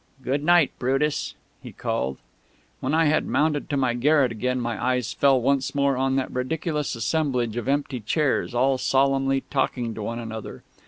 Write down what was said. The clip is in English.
"Good night, Brutus," he called. When I had mounted to my garret again my eyes fell once more on that ridiculous assemblage of empty chairs, all solemnly talking to one another.